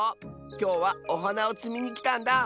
きょうはおはなをつみにきたんだ。